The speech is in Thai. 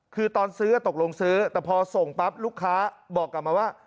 คือตอนซื้อตกลงซื้อแต่พอส่งปั๊บลูกค้าบอกกลับมาว่า